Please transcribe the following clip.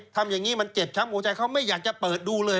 ทำอย่างนี้มันเจ็บช้ำหัวใจเขาไม่อยากจะเปิดดูเลย